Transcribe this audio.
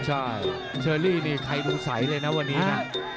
ใช่เชอรี่นี่ใครดูใสเลยนะวันนี้นะ